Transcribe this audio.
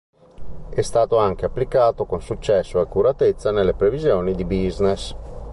È stato anche applicato con successo e accuratezza nelle previsioni di business.